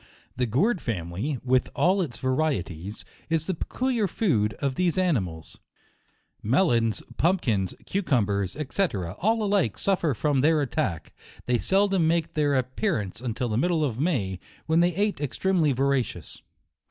The gourd family, with all its varieties, is the peculiar food of these animals. Melons, pumpkins, cucumbers, &c. all alike suffer from their attack. They seldom make their appearance until the middle of May, when JUNfc. 1 25 they ate extremely voracious.